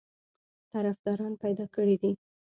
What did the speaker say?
طرفداران پیدا کړي دي.